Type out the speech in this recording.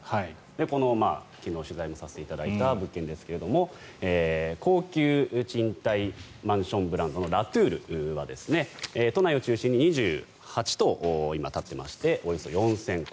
この取材させていただいた物件ですが高級賃貸マンションブランドのラ・トゥールは都内を中心に２８棟今、立っていましておよそ４０００戸。